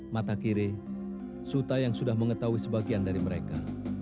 mata kiri suta yang sudah mengetahui sebagian dari mereka